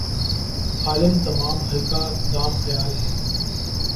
عالم تمام حلقہ دام خیال ھے